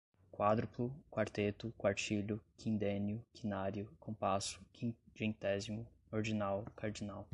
Quádruplo, quarteto, quartilho, quindênio, quinário, compasso, quingentésimo, ordinal, cardinal